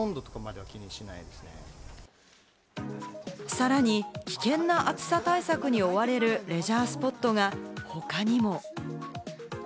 さらに危険な暑さ対策に追われるレジャースポットが他にも。